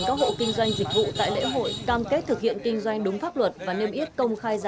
các hộ kinh doanh dịch vụ tại lễ hội cam kết thực hiện kinh doanh đúng pháp luật và nêm ít công